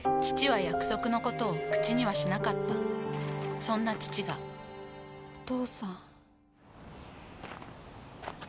父は約束のことを口にはしなかったそんな父がお父さん。